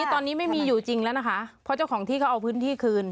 ตอนนี้ไม่มีอยู่จริงแล้วนะคะเพราะเจ้าของที่เขาเอาพื้นที่คืน